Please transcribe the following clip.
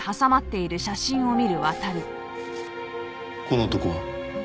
この男は？